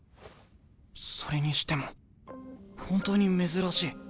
それにしても本当に珍しい。